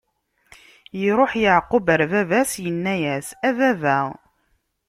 Iṛuḥ Yeɛqub ɣer baba-s, inna-yas: A baba!